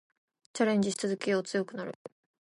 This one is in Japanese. チャレンジし続けよう。強くなる。